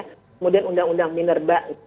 kemudian undang undang minerba